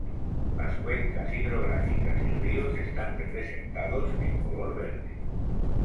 Las cuencas hidrográficas y ríos están representados en color verde.